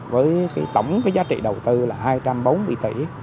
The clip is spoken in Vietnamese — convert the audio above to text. với tổng cái giá trị đầu tư là hai trăm bốn mươi tỷ